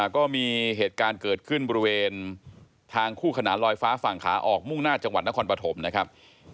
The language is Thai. ก็มีเหตุการณ์เกิดขึ้นบริเวณทางคู่ขนานลอยฟ้าฝั่งขาออกมุ่งหน้าจังหวัดนครปฐมนะครับ